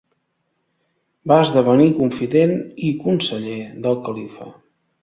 Va esdevenir confident i conseller del califa.